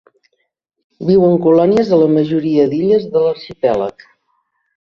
Viu en colònies a la majoria d'illes de l'arxipèlag.